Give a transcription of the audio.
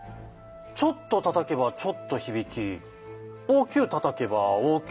ちょっとたたけばちょっと響き大きゅうたたけば大きゅう響く。